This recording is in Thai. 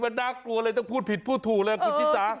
มันน่ากลัวเลยต้องพูดผิดพูดถูกเลยคุณชิสา